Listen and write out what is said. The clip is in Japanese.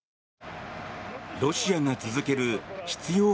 ロシアが続ける執よう